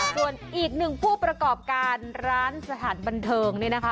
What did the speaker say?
ส่วนอีกหนึ่งผู้ประกอบการร้านสถานบันเทิงนี่นะคะ